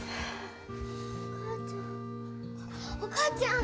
お母ちゃん。